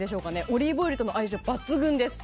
オリーブオイルとの相性抜群です。